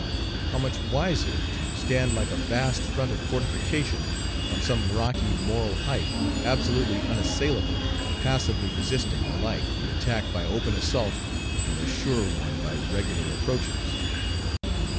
How much wiser to stand like a vast front of fortification, on some rocky moral height absolutely unassailable, passively resisting alike the attack by open assault and the surer one by regular approaches!